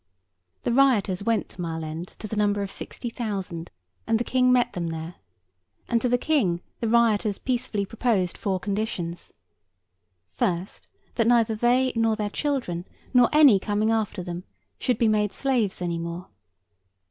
The rioters went to Mile end to the number of sixty thousand, and the King met them there, and to the King the rioters peaceably proposed four conditions. First, that neither they, nor their children, nor any coming after them, should be made slaves any more.